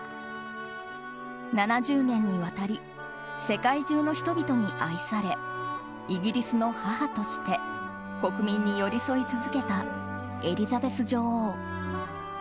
７０年にわたり世界中の人々に愛されイギリスの母として国民に寄り添い続けたエリザベス女王。